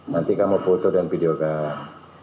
nanti kamu foto dan videokan